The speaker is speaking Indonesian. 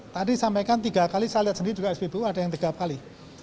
tadi sampaikan tiga kali saya lihat sendiri juga spbu ada yang tiga kali